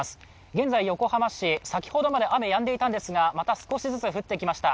現在、横浜市、先ほどまで雨はやんでいたんですがまた少しずつ降ってきました。